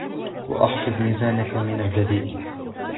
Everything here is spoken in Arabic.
احْفَظْ مِيزَانَك مِنْ الْبَذِيءِ